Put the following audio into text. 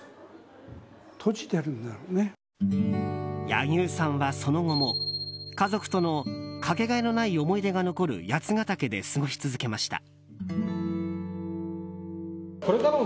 柳生さんは、その後も家族とのかけがえのない思い出が残る八ケ岳で過ごし続けました。